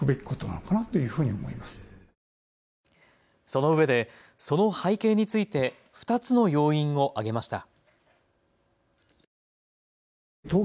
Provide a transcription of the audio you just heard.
そのうえでその背景について２つの要因を挙げました。